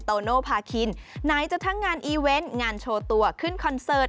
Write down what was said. โตโนภาคินไหนจะทั้งงานอีเวนต์งานโชว์ตัวขึ้นคอนเสิร์ต